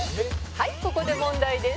「はいここで問題です」